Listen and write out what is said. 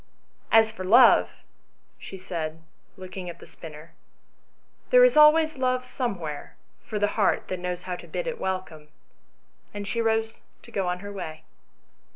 As for love," she said, looking at the spinner, " there is always love somewhere for the heart that knows how to bid it welcome ;" and she rose to go on her way.